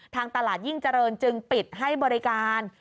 ทางตลาดยิ่งเจริญจึงปิดให้บริการ